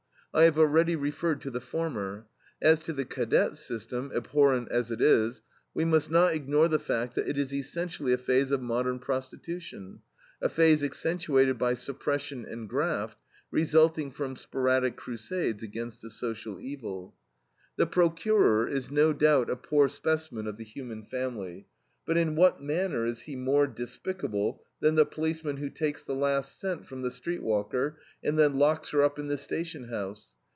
I have already referred to the former. As to the cadet system, abhorrent as it is, we must not ignore the fact that it is essentially a phase of modern prostitution, a phase accentuated by suppression and graft, resulting from sporadic crusades against the social evil. The procurer is no doubt a poor specimen of the human family, but in what manner is he more despicable than the policeman who takes the last cent from the street walker, and then locks her up in the station house?